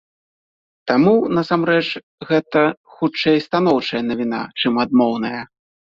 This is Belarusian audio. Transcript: Таму, насамрэч, гэта, хутчэй, станоўчая навіна, чым адмоўная.